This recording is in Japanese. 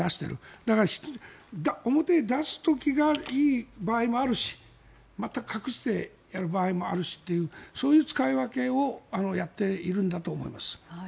だから、表に出す時がいい場合もあるし全く隠してやる場合もあるしというそういう使い分けをやっているんだと思います。